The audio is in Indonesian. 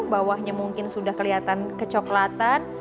bawahnya mungkin sudah kelihatan kecoklatan